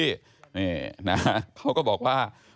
นี่นะเขาก็บอกว่า